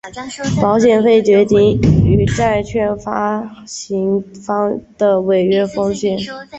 保险费决定于债券发行方的违约风险。